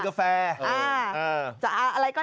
การนอนไม่จำเป็นต้องมีอะไรกัน